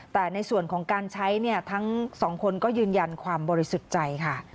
แต่ในส่วนของการใช้เนี่ยทั้งสองคนก็ยืนยันความบริสุทธิ์ใจค่ะ